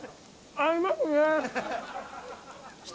合いますね！